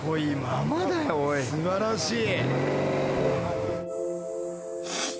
素晴らしい。